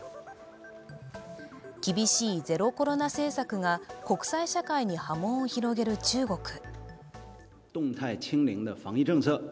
厳しいゼロコロナ政策が国際社会に波紋を広げる中国。